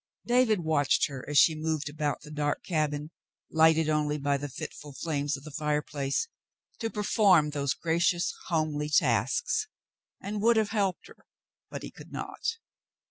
David watched her as she moved about the dark cabin, lighted only by the fitful flames of the fireplace, to perform those gracious, homely tasks, and would have helped her, but he could not.